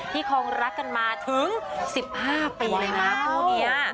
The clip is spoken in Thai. คงรักกันมาถึง๑๕ปีเลยนะคู่นี้